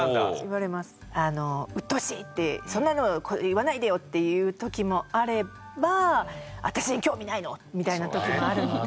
うっとうしい！ってそんなの言わないでよ！っていう時もあれば私に興味ないの！みたいな時もあるので。